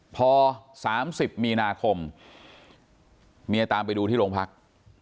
พอ๓๐มีนาคมเมียตามไปดูที่โรงพัก